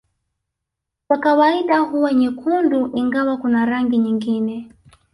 Kwa kawaida huwa nyekundu ingawa kuna rangi nyingine